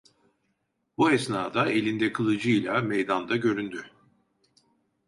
Bu esnada elinde kılıcıyla meydanda göründü.